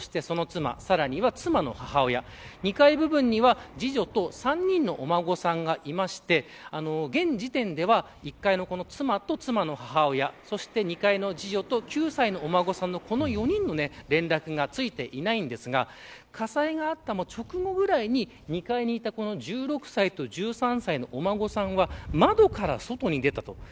さらに、その妻そして母親２階部分には次女と３人のお孫さんがいまして現時点では１階の妻と妻の母親２階の次女と９歳のお孫さんの４人の連絡がついていないんですが火災があった直後ぐらいに２階にいた１６歳と１３歳のお孫さんは窓から外に出たと。